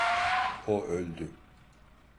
O öldü.